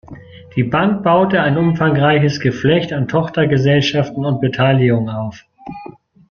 Die Bank baute ein umfangreiches Geflecht an Tochtergesellschaften und Beteiligungen auf.